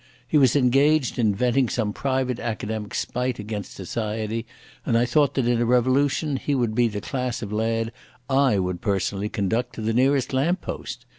He was engaged in venting some private academic spite against society, and I thought that in a revolution he would be the class of lad I would personally conduct to the nearest lamp post.